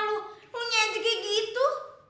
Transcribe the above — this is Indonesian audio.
ngunya aja kayak gitu